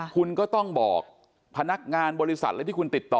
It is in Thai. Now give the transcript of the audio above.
คุณต้องบอกพนักงานบริษัทคุณติดต่อ